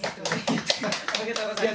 おめでとうございます。